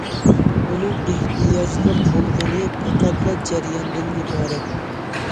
ئۇنىڭ ئېھتىياجلىق بولغىنى پەقەتلا جەرياندىن ئىبارەت.